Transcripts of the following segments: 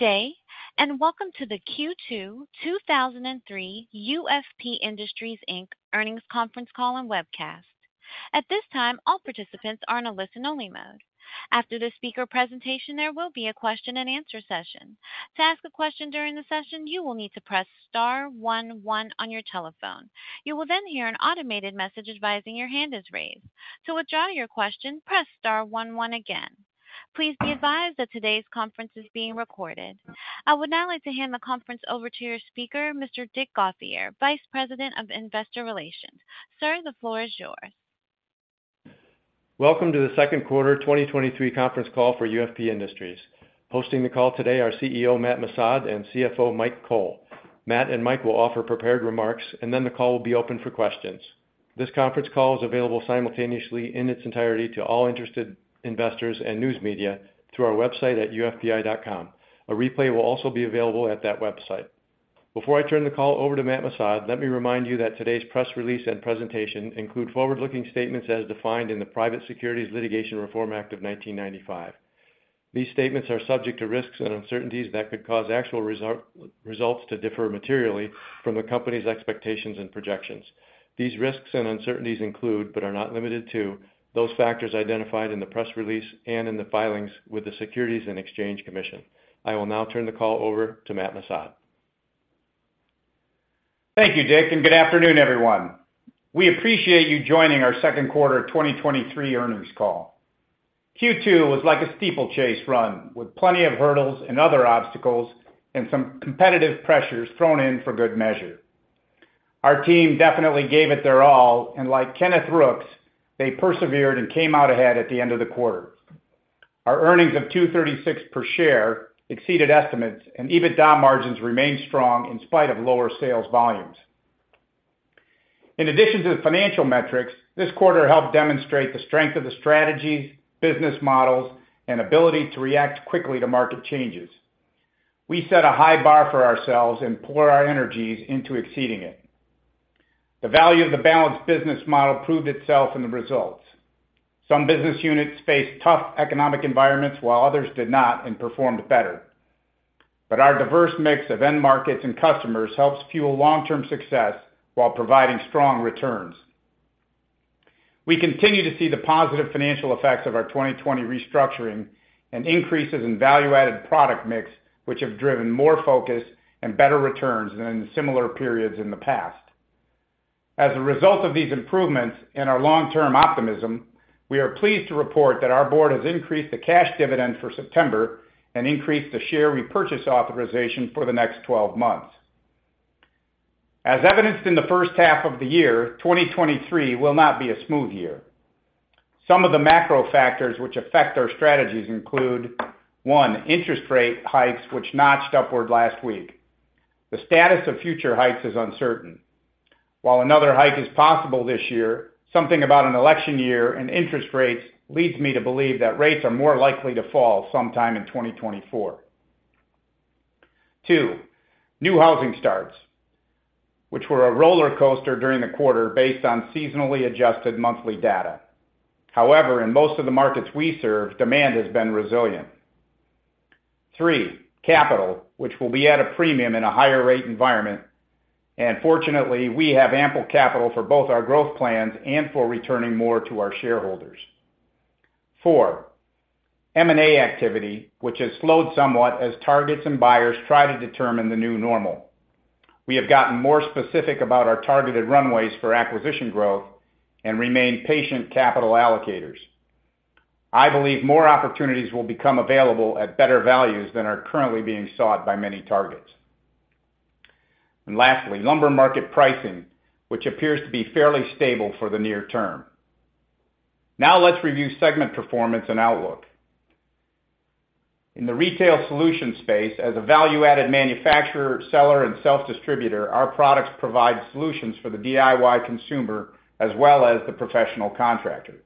Good day, and welcome to the Q2 2023 UFP Industries, Inc. earnings conference call and webcast. At this time, all participants are in a listen-only mode. After the speaker presentation, there will be a question and answer session. To ask a question during the session, you will need to press star one one on your telephone. You will then hear an automated message advising your hand is raised. To withdraw your question, press star one one again. Please be advised that today's conference is being recorded. I would now like to hand the conference over to your speaker, Mr. Dick Gauthier, Vice President of Investor Relations. Sir, the floor is yours. Welcome to the second quarter 2023 conference call for UFP Industries. Hosting the call today are CEO, Matt Missad, and CFO, Mike Cole. Matt and Mike will offer prepared remarks, then the call will be open for questions. This conference call is available simultaneously in its entirety to all interested investors and news media through our website at ufpi.com. A replay will also be available at that website. Before I turn the call over to Matt Missad, let me remind you that today's press release and presentation include forward-looking statements as defined in the Private Securities Litigation Reform Act of 1995. These statements are subject to risks and uncertainties that could cause actual results to differ materially from the company's expectations and projections. These risks and uncertainties include, but are not limited to, those factors identified in the press release and in the filings with the Securities and Exchange Commission. I will now turn the call over to Matt Missad. Thank you, Dick. Good afternoon, everyone. We appreciate you joining our second quarter 2023 earnings call. Q2 was like a steeplechase run, with plenty of hurdles and other obstacles, and some competitive pressures thrown in for good measure. Our team definitely gave it their all, and like Kenneth Rooks, they persevered and came out ahead at the end of the quarter. Our earnings of $2.36 per share exceeded estimates, and EBITDA margins remained strong in spite of lower sales volumes. In addition to the financial metrics, this quarter helped demonstrate the strength of the strategies, business models, and ability to react quickly to market changes. We set a high bar for ourselves and pour our energies into exceeding it. The value of the balanced business model proved itself in the results. Some business units faced tough economic environments, while others did not and performed better. Our diverse mix of end markets and customers helps fuel long-term success while providing strong returns. We continue to see the positive financial effects of our 2020 restructuring and increases in value-added product mix, which have driven more focus and better returns than in similar periods in the past. As a result of these improvements and our long-term optimism, we are pleased to report that our board has increased the cash dividend for September and increased the share repurchase authorization for the next 12 months. As evidenced in the first half of the year, 2023 will not be a smooth year. Some of the macro factors which affect our strategies include: 1, interest rate hikes, which notched upward last week. The status of future hikes is uncertain. While another hike is possible this year, something about an election year and interest rates leads me to believe that rates are more likely to fall sometime in 2024. Two, new housing starts, which were a roller coaster during the quarter based on seasonally adjusted monthly data. However, in most of the markets we serve, demand has been resilient. Three, capital, which will be at a premium in a higher rate environment. Fortunately, we have ample capital for both our growth plans and for returning more to our shareholders. Four, M&A activity, which has slowed somewhat as targets and buyers try to determine the new normal. We have gotten more specific about our targeted runways for acquisition growth and remain patient capital allocators. I believe more opportunities will become available at better values than are currently being sought by many targets. Lastly, lumber market pricing, which appears to be fairly stable for the near term. Now, let's review segment performance and outlook. In the retail solutions space, as a value-added manufacturer, seller, and self-distributor, our products provide solutions for the DIY consumer, as well as the professional contractor.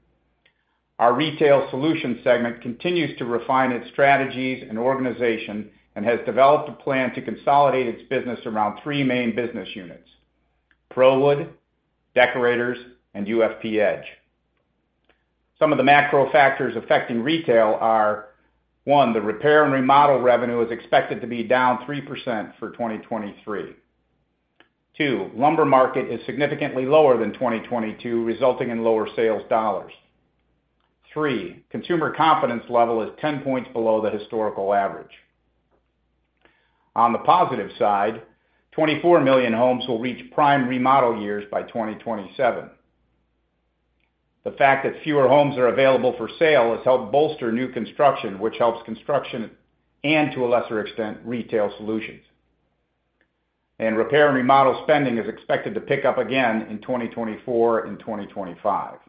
Our retail solutions segment continues to refine its strategies and organization, and has developed a plan to consolidate its business around three main business units: ProWood, Deckorators, and UFP-Edge. Some of the macro factors affecting retail are: One, the repair and remodel revenue is expected to be down 3% for 2023. Two, lumber market is significantly lower than 2022, resulting in lower sales dollars. Three, consumer confidence level is 10 points below the historical average. On the positive side, 24 million homes will reach prime remodel years by 2027. The fact that fewer homes are available for sale has helped bolster new construction, which helps construction, and to a lesser extent, retail solutions. Repair and remodel spending is expected to pick up again in 2024 and 2025.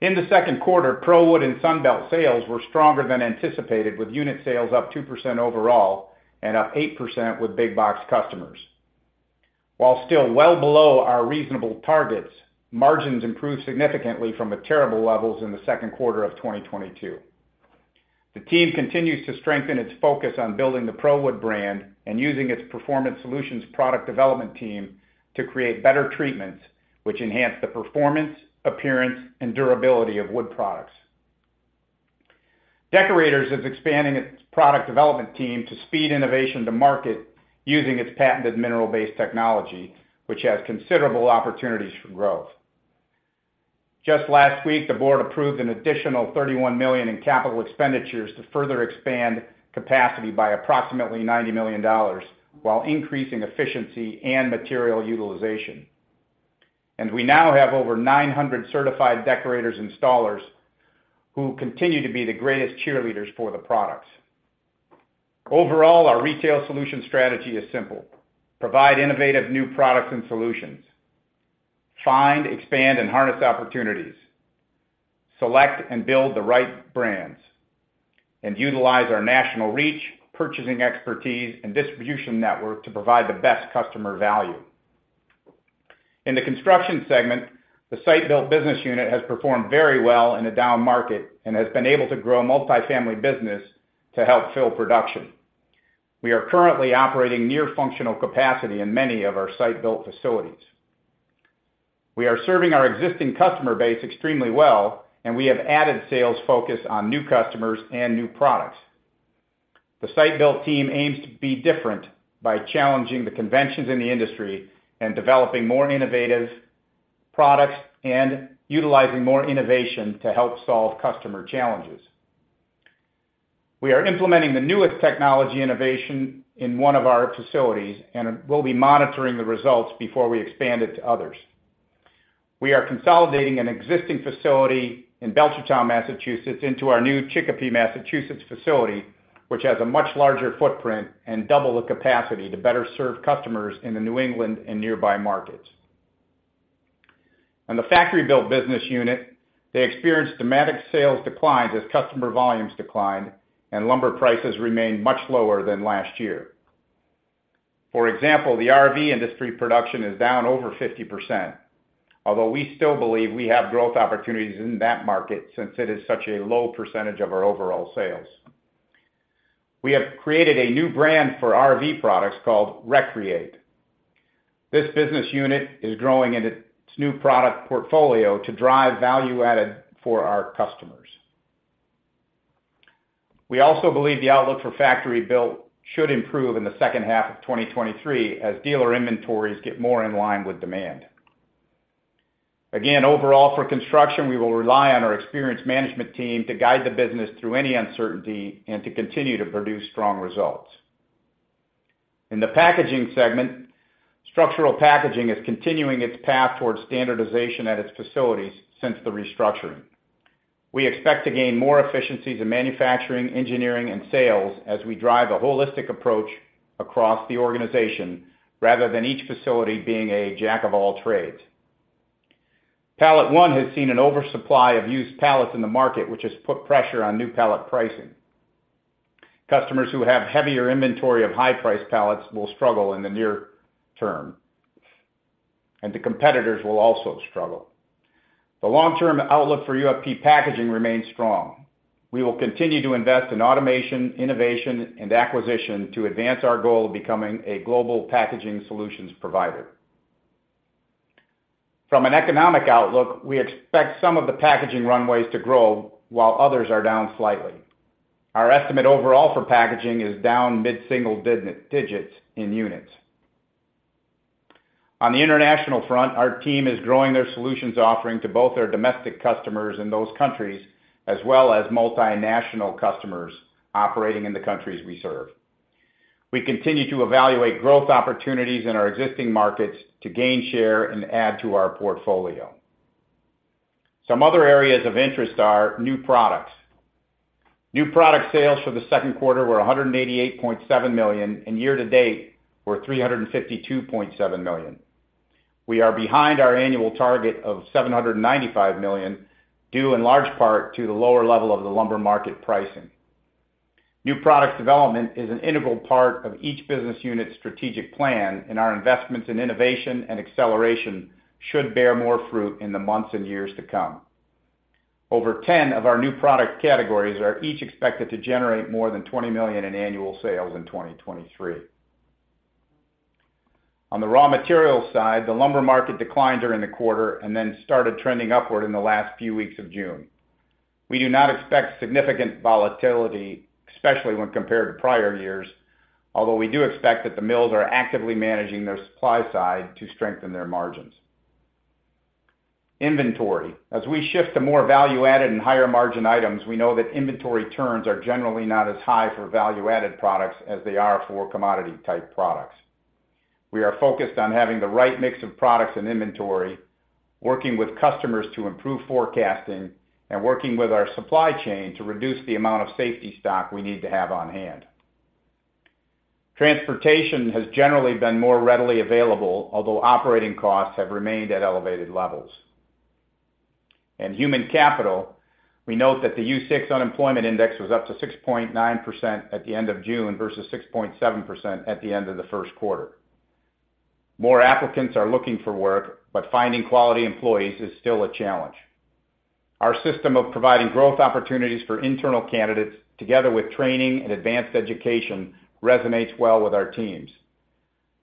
In the second quarter, ProWood and Sunbelt sales were stronger than anticipated, with unit sales up 2% overall and up 8% with big box customers. While still well below our reasonable targets, margins improved significantly from the terrible levels in the second quarter of 2022. The team continues to strengthen its focus on building the ProWood brand and using its Performance Solutions product development team to create better treatments which enhance the performance, appearance, and durability of wood products. Deckorators is expanding its product development team to speed innovation to market using its patented mineral-based technology, which has considerable opportunities for growth. Just last week, the board approved an additional $31 million in capital expenditures to further expand capacity by approximately $90 million while increasing efficiency and material utilization. We now have over 900 certified Deckorators installers, who continue to be the greatest cheerleaders for the products. Overall, our retail solution strategy is simple: provide innovative new products and solutions, find, expand, and harness opportunities, select and build the right brands, and utilize our national reach, purchasing expertise, and distribution network to provide the best customer value. In the construction segment, the site-built business unit has performed very well in a down market and has been able to grow multifamily business to help fill production. We are currently operating near functional capacity in many of our site-built facilities. We are serving our existing customer base extremely well, and we have added sales focus on new customers and new products. The site-built team aims to be different by challenging the conventions in the industry and developing more innovative products and utilizing more innovation to help solve customer challenges. We are implementing the newest technology innovation in one of our facilities, and we'll be monitoring the results before we expand it to others. We are consolidating an existing facility in Belchertown, Massachusetts, into our new Chicopee, Massachusetts, facility, which has a much larger footprint and double the capacity to better serve customers in the New England and nearby markets. On the factory built business unit, they experienced dramatic sales declines as customer volumes declined, and lumber prices remained much lower than last year. For example, the RV industry production is down over 50%, although we still believe we have growth opportunities in that market since it is such a low percentage of our overall sales. We have created a new brand for RV products called RECreate. This business unit is growing in its new product portfolio to drive value added for our customers. We also believe the outlook for factory built should improve in the second half of 2023 as dealer inventories get more in line with demand. Again, overall, for construction, we will rely on our experienced management team to guide the business through any uncertainty and to continue to produce strong results. In the Packaging segment, structural packaging is continuing its path towards standardization at its facilities since the restructuring. We expect to gain more efficiencies in manufacturing, engineering, and sales as we drive a holistic approach across the organization rather than each facility being a jack of all trades. PalletOne has seen an oversupply of used pallets in the market, which has put pressure on new pallet pricing. Customers who have heavier inventory of high-price pallets will struggle in the near term, and the competitors will also struggle. The long-term outlook for UFP Packaging remains strong. We will continue to invest in automation, innovation, and acquisition to advance our goal of becoming a global packaging solutions provider. From an economic outlook, we expect some of the packaging runways to grow, while others are down slightly. Our estimate overall for packaging is down mid-single digits in units. On the international front, our team is growing their solutions offering to both their domestic customers in those countries, as well as multinational customers operating in the countries we serve. We continue to evaluate growth opportunities in our existing markets to gain share and add to our portfolio. Some other areas of interest are new products. New product sales for the second quarter were $188.7 million, and year to date were $352.7 million. We are behind our annual target of $795 million, due in large part to the lower level of the lumber market pricing. New product development is an integral part of each business unit's strategic plan, and our investments in innovation and acceleration should bear more fruit in the months and years to come. Over 10 of our new product categories are each expected to generate more than $20 million in annual sales in 2023. On the raw material side, the lumber market declined during the quarter and then started trending upward in the last few weeks of June. We do not expect significant volatility, especially when compared to prior years, although we do expect that the mills are actively managing their supply side to strengthen their margins. Inventory. As we shift to more value-added and higher-margin items, we know that inventory turns are generally not as high for value-added products as they are for commodity-type products. We are focused on having the right mix of products and inventory, working with customers to improve forecasting, and working with our supply chain to reduce the amount of safety stock we need to have on hand. Transportation has generally been more readily available, although operating costs have remained at elevated levels. Human capital, we note that the U-6 unemployment index was up to 6.9% at the end of June versus 6.7% at the end of the first quarter. More applicants are looking for work, but finding quality employees is still a challenge.... Our system of providing growth opportunities for internal candidates, together with training and advanced education, resonates well with our teams.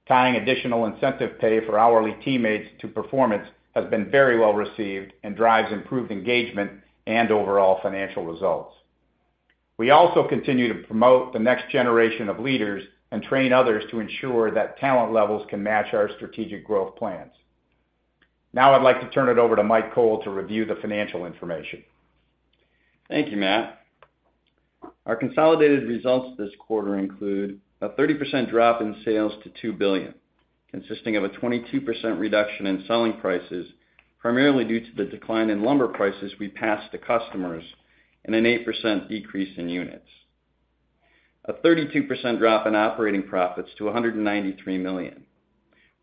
Tying additional incentive pay for hourly teammates to performance has been very well received and drives improved engagement and overall financial results. We also continue to promote the next generation of leaders and train others to ensure that talent levels can match our strategic growth plans. Now I'd like to turn it over to Mike Cole to review the financial information. Thank you, Matt. Our consolidated results this quarter include a 30% drop in sales to $2 billion, consisting of a 22% reduction in selling prices, primarily due to the decline in lumber prices we passed to customers, and an 8% decrease in units. A 32% drop in operating profits to $193 million,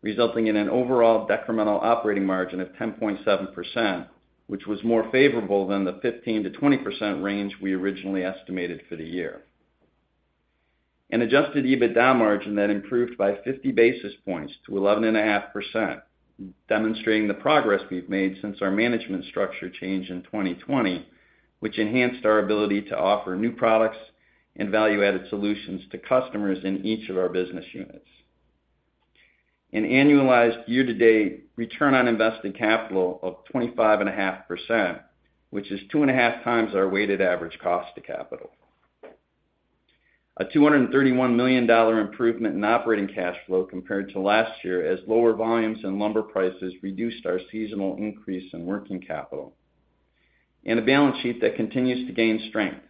resulting in an overall decremental operating margin of 10.7%, which was more favorable than the 15%-20% range we originally estimated for the year. An adjusted EBITDA margin that improved by 50 basis points to 11.5%, demonstrating the progress we've made since our management structure change in 2020, which enhanced our ability to offer new products and value-added solutions to customers in each of our business units. An annualized year-to-date return on invested capital of 25.5%, which is 2.5x our weighted average cost to capital. A $231 million improvement in operating cash flow compared to last year, as lower volumes and lumber prices reduced our seasonal increase in working capital. A balance sheet that continues to gain strength,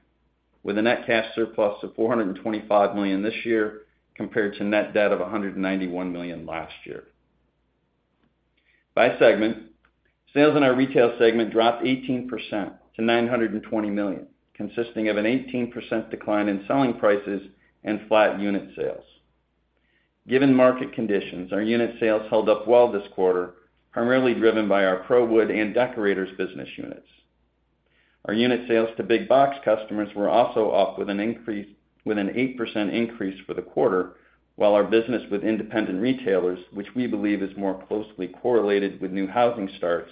with a net cash surplus of $425 million this year, compared to net debt of $191 million last year. By segment, sales in our retail segment dropped 18% to $920 million, consisting of an 18% decline in selling prices and flat unit sales. Given market conditions, our unit sales held up well this quarter, primarily driven by our ProWood and Deckorators business units. Our unit sales to big box customers were also up with an 8% increase for the quarter, while our business with independent retailers, which we believe is more closely correlated with new housing starts,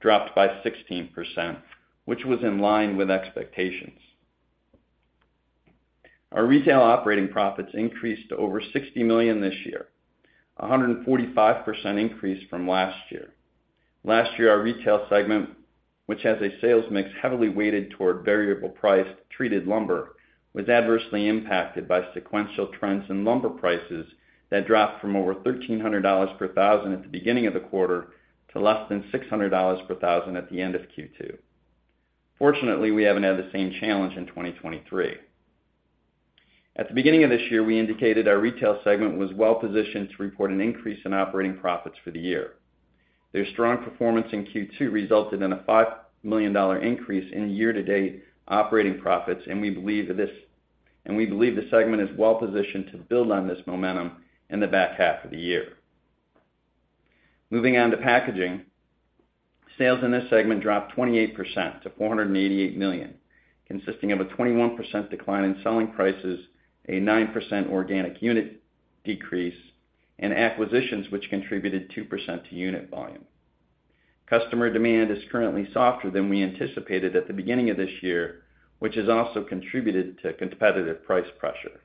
dropped by 16%, which was in line with expectations. Our retail operating profits increased to over $60 million this year, a 145% increase from last year. Last year, our retail segment, which has a sales mix heavily weighted toward variable-priced treated lumber, was adversely impacted by sequential trends in lumber prices that dropped from over $1,300 per thousand at the beginning of the quarter to less than $600 per thousand at the end of Q2. Fortunately, we haven't had the same challenge in 2023. At the beginning of this year, we indicated our retail segment was well positioned to report an increase in operating profits for the year. Their strong performance in Q2 resulted in a $5 million increase in year-to-date operating profits, and we believe that this and we believe the segment is well positioned to build on this momentum in the back half of the year. Moving on to packaging. Sales in this segment dropped 28% to $488 million, consisting of a 21% decline in selling prices, a 9% organic unit decrease, and acquisitions, which contributed 2% to unit volume. Customer demand is currently softer than we anticipated at the beginning of this year, which has also contributed to competitive price pressure.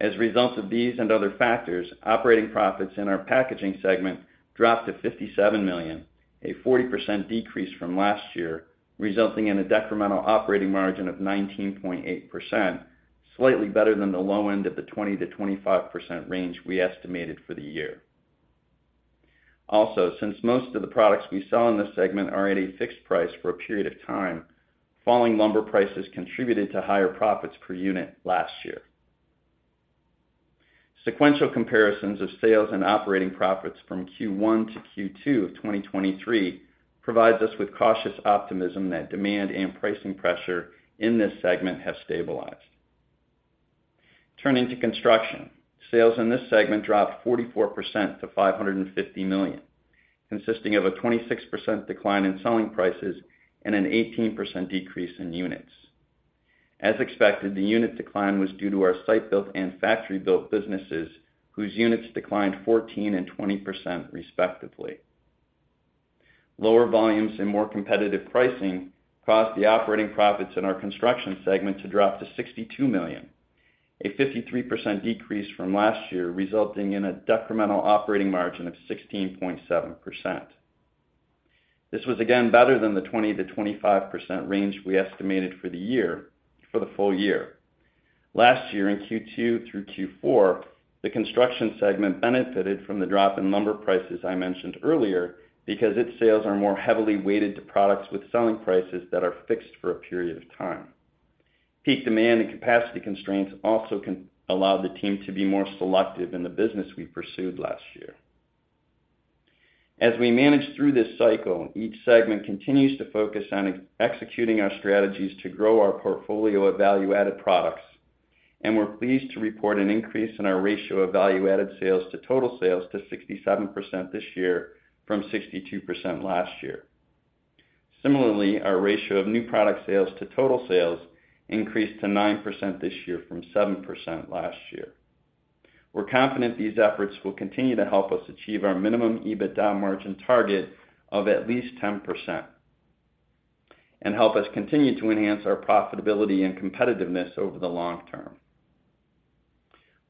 As a result of these and other factors, operating profits in our Packaging segment dropped to $57 million, a 40% decrease from last year, resulting in a decremental operating margin of 19.8%, slightly better than the low end of the 20%-25% range we estimated for the year. Since most of the products we sell in this segment are at a fixed price for a period of time, falling lumber prices contributed to higher profits per unit last year. Sequential comparisons of sales and operating profits from Q1 to Q2 of 2023 provides us with cautious optimism that demand and pricing pressure in this segment have stabilized. Turning to Construction. Sales in this segment dropped 44% to $550 million, consisting of a 26% decline in selling prices and an 18% decrease in units. As expected, the unit decline was due to our site-built and factory-built businesses, whose units declined 14 and 20%, respectively. Lower volumes and more competitive pricing caused the operating profits in our construction segment to drop to $62 million, a 53% decrease from last year, resulting in a decremental operating margin of 16.7%. This was again better than the 20%-25% range we estimated for the year, for the full year. Last year, in Q2 through Q4, the construction segment benefited from the drop in lumber prices I mentioned earlier, because its sales are more heavily weighted to products with selling prices that are fixed for a period of time. Peak demand and capacity constraints also allowed the team to be more selective in the business we pursued last year. As we manage through this cycle, each segment continues to focus on executing our strategies to grow our portfolio of value-added products, and we're pleased to report an increase in our ratio of value-added sales to total sales to 67% this year from 62% last year. Similarly, our ratio of new product sales to total sales increased to 9% this year from 7% last year. We're confident these efforts will continue to help us achieve our minimum EBITDA margin target of at least 10%, and help us continue to enhance our profitability and competitiveness over the long term.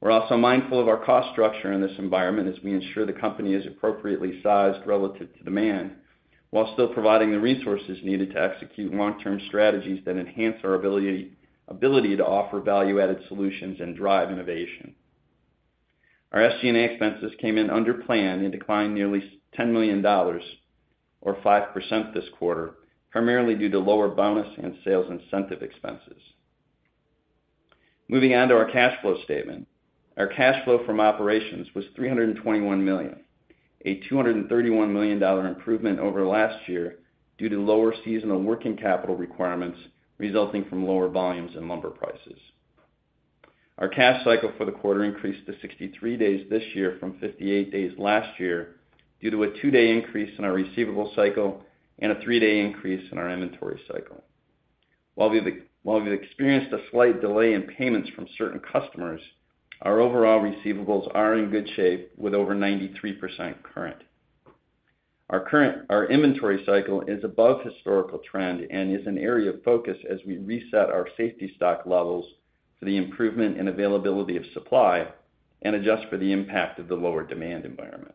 We're also mindful of our cost structure in this environment as we ensure the company is appropriately sized relative to demand, while still providing the resources needed to execute long-term strategies that enhance our ability to offer value-added solutions and drive innovation. Our SG&A expenses came in under plan and declined nearly $10 million, or 5% this quarter, primarily due to lower bonus and sales incentive expenses. Moving on to our cash flow statement. Our cash flow from operations was $321 million, a $231 million improvement over last year due to lower seasonal working capital requirements resulting from lower volumes and lumber prices. Our cash cycle for the quarter increased to 63 days this year from 58 days last year, due to a two-day increase in our receivable cycle and a 3-day increase in our inventory cycle. While we've experienced a slight delay in payments from certain customers, our overall receivables are in good shape, with over 93% current. Our inventory cycle is above historical trend and is an area of focus as we reset our safety stock levels for the improvement and availability of supply, and adjust for the impact of the lower demand environment.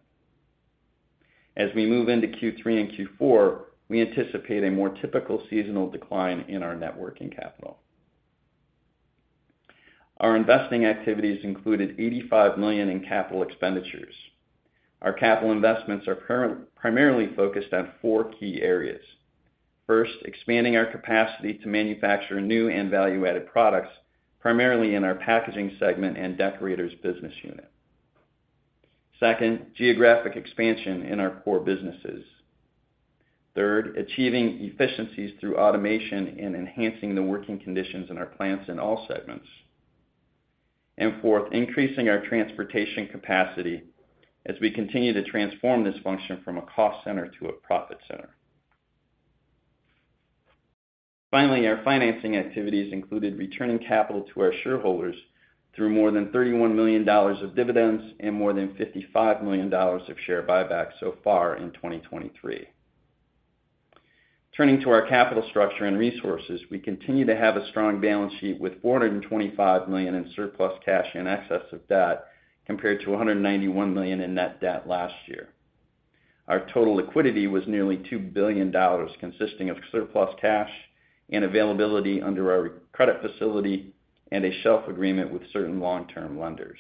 As we move into Q3 and Q4, we anticipate a more typical seasonal decline in our net working capital. Our investing activities included $85 million in capital expenditures. Our capital investments are primarily focused on four key areas. First, expanding our capacity to manufacture new and value-added products, primarily in our Packaging segment and Deckorators business unit. Second, geographic expansion in our core businesses. Third, achieving efficiencies through automation and enhancing the working conditions in our plants in all segments. Fourth, increasing our transportation capacity as we continue to transform this function from a cost center to a profit center. Finally, our financing activities included returning capital to our shareholders through more than $31 million of dividends and more than $55 million of share buybacks so far in 2023. Turning to our capital structure and resources, we continue to have a strong balance sheet with $425 million in surplus cash in excess of debt, compared to $191 million in net debt last year. Our total liquidity was nearly $2 billion, consisting of surplus cash and availability under our credit facility and a shelf agreement with certain long-term lenders.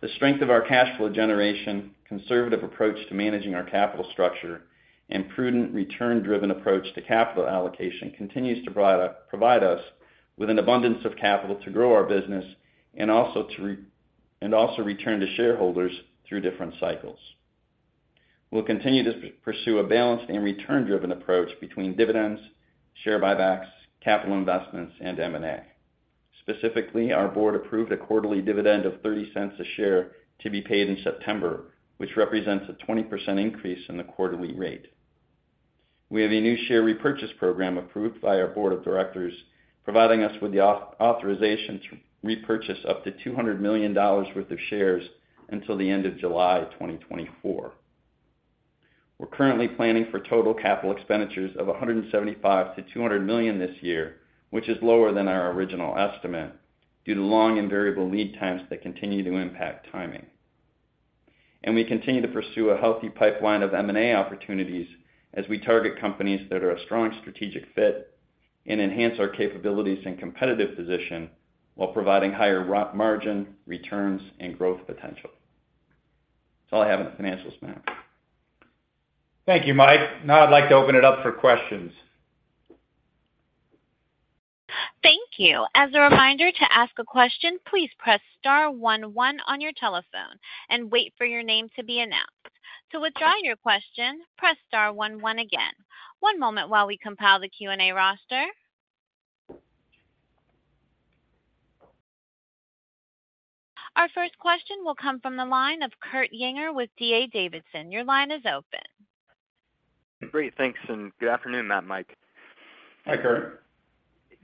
The strength of our cash flow generation, conservative approach to managing our capital structure, and prudent, return-driven approach to capital allocation continues to provide us with an abundance of capital to grow our business and also to return to shareholders through different cycles. We'll continue to pursue a balanced and return-driven approach between dividends, share buybacks, capital investments, and M&A. Specifically, our board approved a quarterly dividend of $0.30 a share to be paid in September, which represents a 20% increase in the quarterly rate. We have a new share repurchase program approved by our board of directors, providing us with the authorization to repurchase up to $200 million worth of shares until the end of July 2024. We're currently planning for total capital expenditures of $175 million-$200 million this year, which is lower than our original estimate, due to long and variable lead times that continue to impact timing. We continue to pursue a healthy pipeline of M&A opportunities as we target companies that are a strong strategic fit and enhance our capabilities and competitive position, while providing higher margin, returns, and growth potential. That's all I have on the financials, Matt. Thank you, Mike. Now I'd like to open it up for questions. Thank you. As a reminder to ask a question, please press star one, one on your telephone and wait for your name to be announced. To withdraw your question, press star one, one again. One moment while we compile the Q&A roster. Our first question will come from the line of Kurt Yinger with D.A. Davidson. Your line is open. Great. Thanks, and good afternoon, Matt and Mike. Hi, Kurt.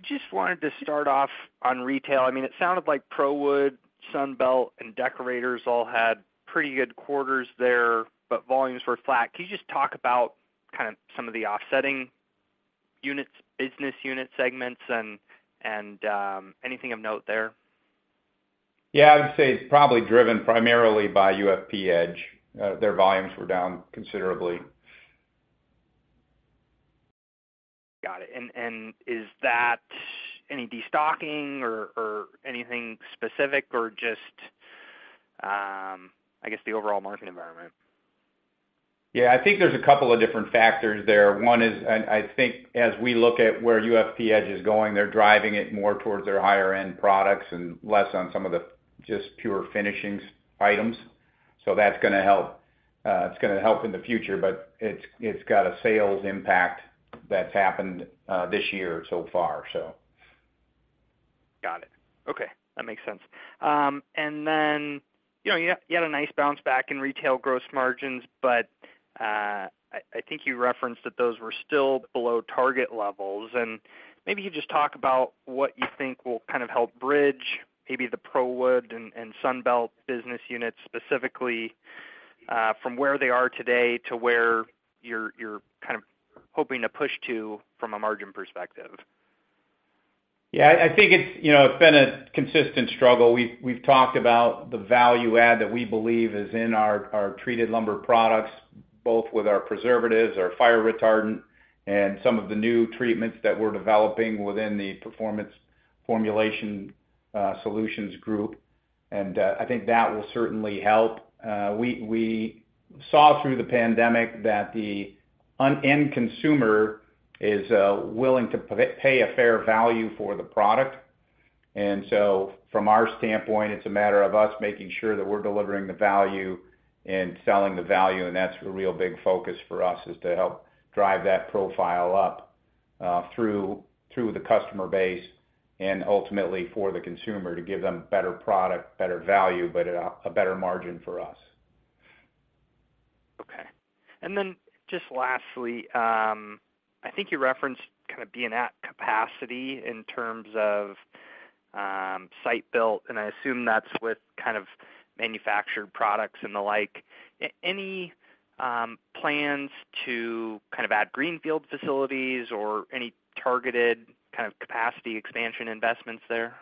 Just wanted to start off on retail. I mean, it sounded like ProWood, Sunbelt, and Deckorators all had pretty good quarters there, but volumes were flat. Can you just talk about kind of some of the offsetting units, business unit segments and anything of note there? Yeah, I would say it's probably driven primarily by UFP-Edge. Their volumes were down considerably. Got it. And is that any destocking or, or anything specific, or just, I guess, the overall market environment? Yeah, I think there's a couple of different factors there. One is, and I think as we look at where UFP-Edge is going, they're driving it more towards their higher-end products and less on some of the just pure finishings items. That's gonna help. It's gonna help in the future, but it's, it's got a sales impact that's happened this year so far. Got it. Okay, that makes sense. You know, you had, you had a nice bounce back in retail gross margins. I think you referenced that those were still below target levels, and maybe you just talk about what you think will kind of help bridge, maybe the ProWood and Sunbelt business units, specifically, from where they are today to where you're, you're kind of hoping to push to from a margin perspective. Yeah, I think it's, you know, it's been a consistent struggle. We've, we've talked about the value add that we believe is in our, our treated lumber products, both with our preservatives, our fire retardant, and some of the new treatments that we're developing within the performance formulation solutions group. I think that will certainly help. We, we saw through the pandemic that the end consumer is willing to pay a fair value for the product. From our standpoint, it's a matter of us making sure that we're delivering the value and selling the value, and that's a real big focus for us, is to help drive that profile up through, through the customer base and ultimately for the consumer, to give them better product, better value, but a, a better margin for us. Okay. Then just lastly, I think you referenced kind of being at capacity in terms of site built, and I assume that's with kind of manufactured products and the like. Any plans to kind of add greenfield facilities or any targeted kind of capacity expansion investments there?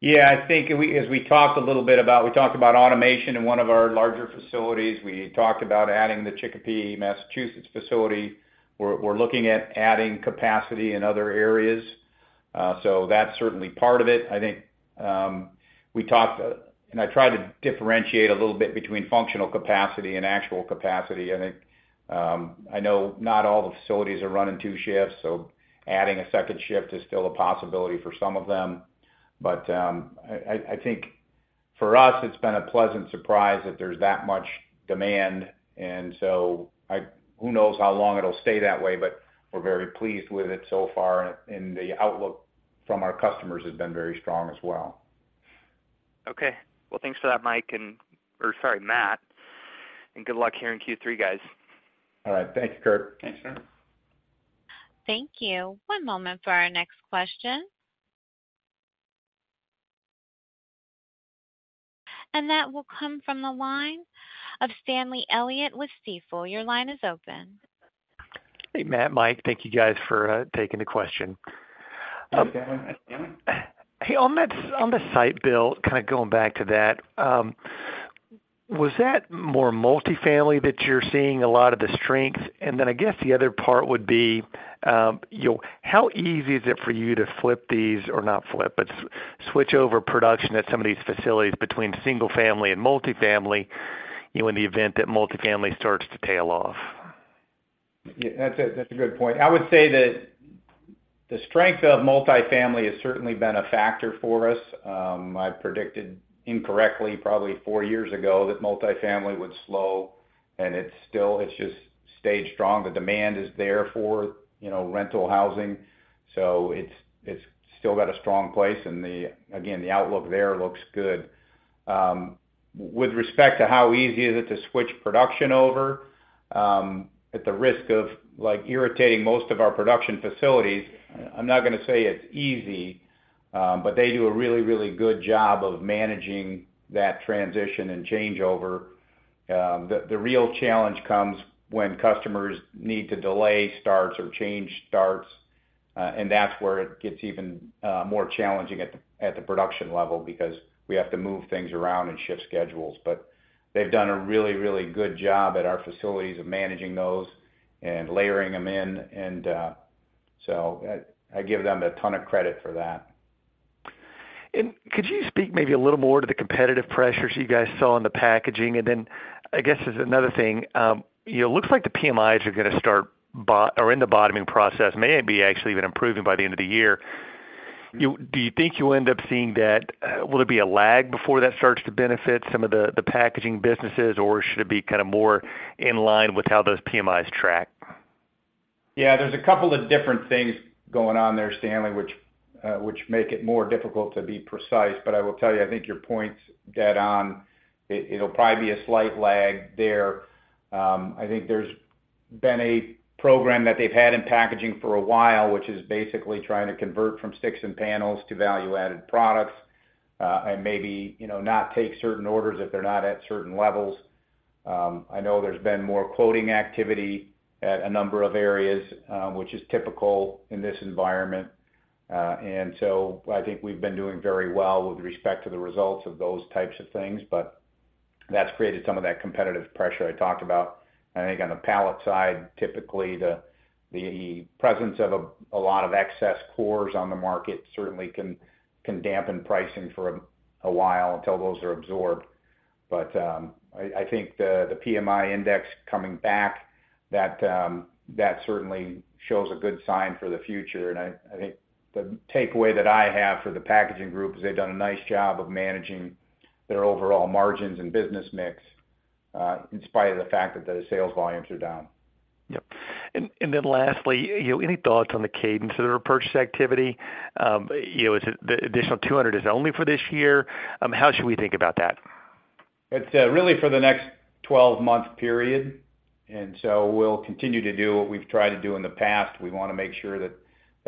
Yeah, I think we as we talked a little bit about, we talked about automation in one of our larger facilities. We talked about adding the Chicopee, Massachusetts, facility. We're looking at adding capacity in other areas. That's certainly part of it. I think we talked, and I tried to differentiate a little bit between functional capacity and actual capacity. I think I know not all the facilities are running two shifts, so adding a second shift is still a possibility for some of them. I think for us, it's been a pleasant surprise that there's that much demand, and so I who knows how long it'll stay that way, but we're very pleased with it so far, and the outlook from our customers has been very strong as well. Okay. Well, thanks for that, Mike, and... or sorry, Matt. Good luck here in Q3, guys. All right. Thank you, Kurt. Thanks, Matt. Thank you. One moment for our next question. That will come from the line of Stanley Elliott with Stifel. Your line is open. Hey, Matt, Mike, thank you guys for taking the question. Hi, Stanley. Hey, on that, on the site build, kind of going back to that, was that more multifamily that you're seeing a lot of the strength? Then I guess the other part would be, you know, how easy is it for you to flip these, or not flip, but switch over production at some of these facilities between single family and multifamily, you know, in the event that multifamily starts to tail off? Yeah, that's a, that's a good point. I would say that the strength of multifamily has certainly been a factor for us. I predicted incorrectly, probably four years ago, that multifamily would slow, and it's still, it's just stayed strong. The demand is there for, you know, rental housing, so it's, it's still got a strong place, and the, again, the outlook there looks good. With respect to how easy is it to switch production over, at the risk of, like, irritating most of our production facilities, I'm not gonna say it's easy, but they do a really, really good job of managing that transition and changeover. The, the real challenge comes when customers need to delay starts or change starts, and that's where it gets even more challenging at the, at the production level, because we have to move things around and shift schedules. They've done a really, really good job at our facilities of managing those and layering them in, and so I, I give them a ton of credit for that. Could you speak maybe a little more to the competitive pressures you guys saw in the Packaging? Then, I guess there's another thing. You know, it looks like the PMIs are gonna start or in the bottoming process, may even be actually even improving by the end of the year. Do you think you'll end up seeing that, will it be a lag before that starts to benefit some of the, the Packaging businesses, or should it be kind of more in line with how those PMIs track? Yeah, there's a couple of different things going on there, Stanley, which make it more difficult to be precise, but I will tell you, I think your point's dead on. It, it'll probably be a slight lag there. I think there's been a program that they've had in packaging for a while, which is basically trying to convert from sticks and panels to value-added products, and maybe, you know, not take certain orders if they're not at certain levels. I know there's been more quoting activity at a number of areas, which is typical in this environment. So I think we've been doing very well with respect to the results of those types of things, but that's created some of that competitive pressure I talked about. I think on the pallet side, typically, the, the presence of a, a lot of excess cores on the market certainly can, can dampen pricing for a, a while until those are absorbed. I, I think the PMI index coming back, that certainly shows a good sign for the future. I, I think the takeaway that I have for the Packaging group is they've done a nice job of managing their overall margins and business mix, in spite of the fact that the sales volumes are down. Yep. Then lastly, you know, any thoughts on the cadence of the repurchase activity? You know, is it, the additional $200 million is only for this year? How should we think about that? It's really for the next 12-month period, and so we'll continue to do what we've tried to do in the past. We wanna make sure that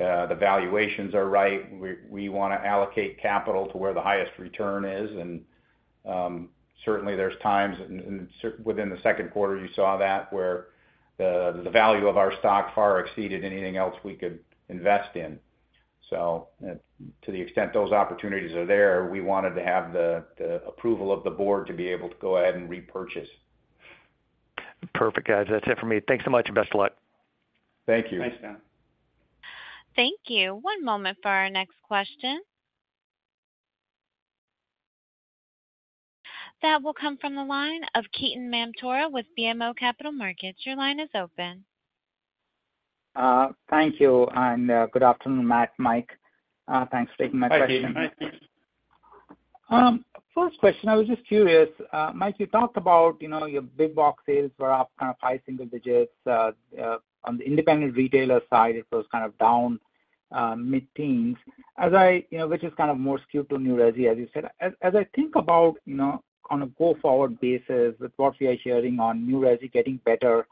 the valuations are right. We, we wanna allocate capital to where the highest return is, and certainly, there's times, and within the second quarter, you saw that, where the, the value of our stock far exceeded anything else we could invest in. To the extent those opportunities are there, we wanted to have the, the approval of the board to be able to go ahead and repurchase. Perfect, guys. That's it for me. Thanks so much, and best of luck. Thank you. Thanks, John. Thank you. One moment for our next question. That will come from the line of Ketan Mamtora with BMO Capital Markets. Your line is open. Thank you, and good afternoon, Matt, Mike. Thanks for taking my question. Hi, Ketan. Hi, Ketan. First question, I was just curious. Mike, you talked about, you know, your big-box sales were up kind of high single digits, on the independent retailer side, it was kind of down mid-teens. You know, which is kind of more skewed to new resi, as you said. As I think about, you know, on a go-forward basis, with what we are hearing on new resi getting better,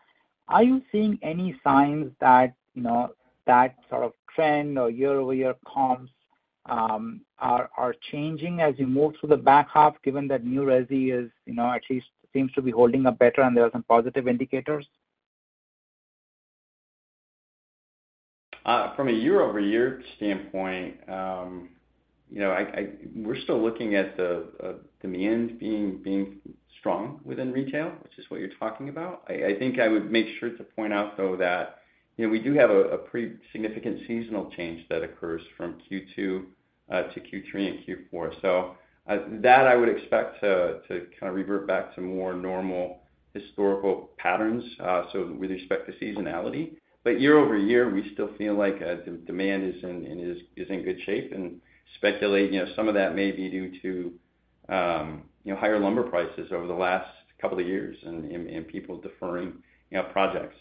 are you seeing any signs that, you know, that sort of trend or year-over-year comps are changing as you move through the back half, given that new resi is, you know, at least seems to be holding up better and there are some positive indicators? From a year-over-year standpoint, you know, I, I, we're still looking at the demand being strong within retail, which is what you're talking about. I, I think I would make sure to point out, though, that, you know, we do have a pretty significant seasonal change that occurs from Q2 to Q3 and Q4. That I would expect to kind of revert back to more normal historical patterns, so with respect to seasonality. Year over year, we still feel like the demand is in, is, is in good shape, and speculate, you know, some of that may be due to, you know, higher lumber prices over the last couple of years and, and, and people deferring, you know, projects.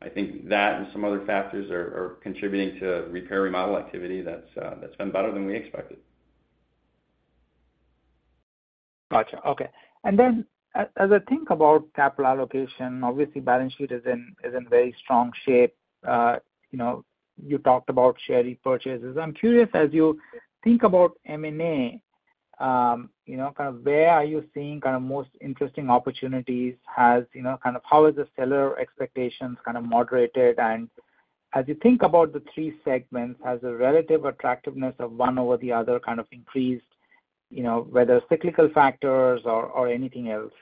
I think that and some other factors are, are contributing to repair remodel activity that's, that's been better than we expected. Gotcha. Okay. Then, as I think about capital allocation, obviously balance sheet is in very strong shape. You know, you talked about share repurchases. I'm curious, as you think about M&A, you know, kind of where are you seeing kind of most interesting opportunities? Has, you know, kind of how is the seller expectations kind of moderated? As you think about the three segments, has the relative attractiveness of one over the other kind of increased, you know, whether cyclical factors or anything else?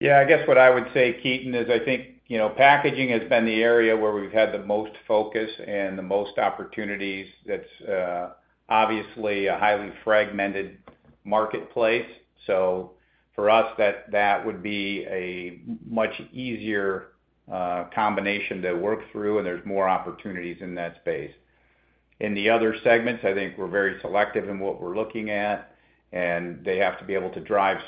Yeah, I guess what I would say, Ketan, is I think, you know, packaging has been the area where we've had the most focus and the most opportunities. That's obviously a highly fragmented marketplace. For us, that would be a much easier combination to work through, and there's more opportunities in that space. In the other segments, I think we're very selective in what we're looking at, and they have to be able to drive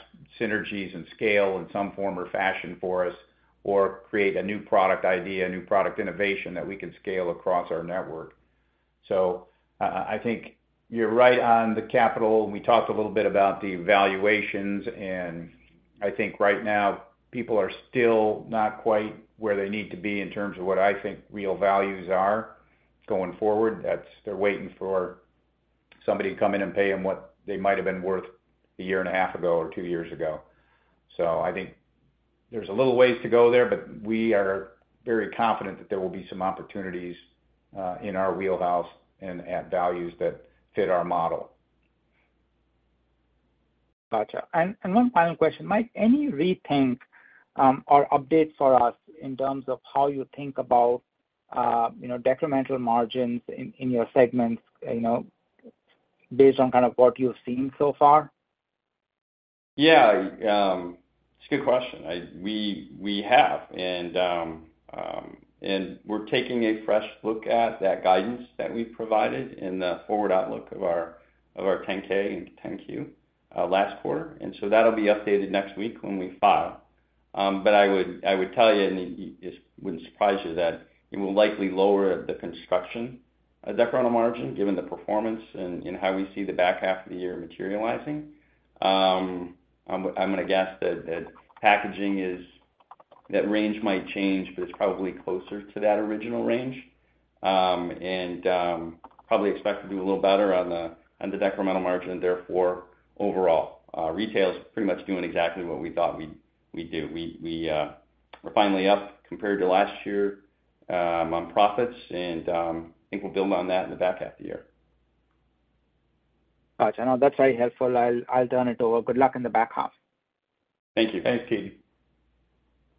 synergies and scale in some form or fashion for us, or create a new product idea, a new product innovation that we can scale across our network. I think you're right on the capital. We talked a little bit about the valuations, and I think right now, people are still not quite where they need to be in terms of what I think real values are going forward. That's they're waiting for somebody to come in and pay them what they might have been worth a year and a half ago or two years ago. I think there's a little ways to go there. We are very confident that there will be some opportunities, in our wheelhouse and at values that fit our model. Gotcha. One final question, Mike, any rethink, or updates for us in terms of how you think about, you know, decremental margins in, in your segments, you know, based on kind of what you've seen so far? Yeah, it's a good question. We, we have, and we're taking a fresh look at that guidance that we provided in the forward outlook of our, of our 10-K and 10-Q last quarter. That'll be updated next week when we file. I would, I would tell you, and it, it wouldn't surprise you, that it will likely lower the construction decremental margin, given the performance and how we see the second half of 2023 materializing. I'm gonna guess that Packaging is... That range might change, but it's probably closer to that original range. Probably expect to do a little better on the decremental margin, and therefore, overall. Retail is pretty much doing exactly what we thought we'd, we'd do. We're finally up compared to last year, on profits, and I think we'll build on that in the back half of the year. Got you. No, that's very helpful. I'll turn it over. Good luck in the back half. Thank you. Thanks, Ketan.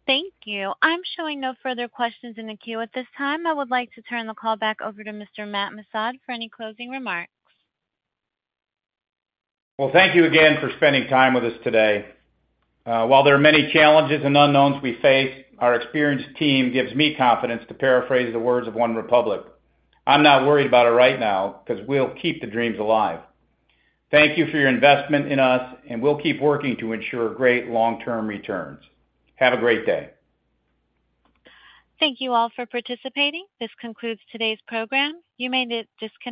Thank you. I'm showing no further questions in the queue at this time. I would like to turn the call back over to Mr. Matt Missad for any closing remarks. Well, thank you again for spending time with us today. While there are many challenges and unknowns we face, our experienced team gives me confidence to paraphrase the words of OneRepublic. "I'm not worried about it right now, 'cause we'll keep the dreams alive." Thank you for your investment in us, we'll keep working to ensure great long-term returns. Have a great day. Thank you all for participating. This concludes today's program. You may disconnect.